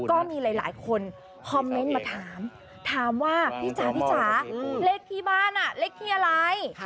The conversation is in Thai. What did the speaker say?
ก็มีหลายคนคอมเมนต์มาถามถามว่าพี่จ๋าพี่จ๋าเลขที่บ้านเลขที่อะไร